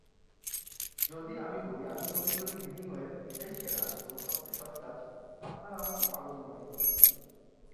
যদি আমি বলি আমি মনে করি হেমিংওয়ের এটাই সেরা এবং সবচেয়ে সৎ কাজ, আপনারা আমাকে পাগল মনে করবেন।